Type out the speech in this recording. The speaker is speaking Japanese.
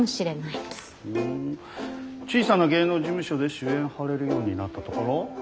小さな芸能事務所で主演張れるようになったところ？